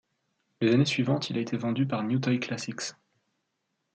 Les années suivantes, il a été vendu par New Toy Classics.